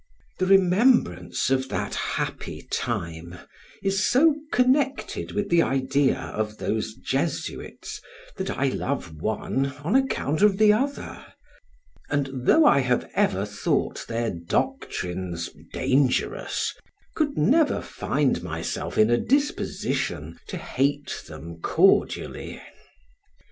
The remembrance of that happy time is so connected with the idea of those Jesuits, that I love one on account of the other, and though I have ever thought their doctrines dangerous, could never find myself in a disposition to hate them cordially.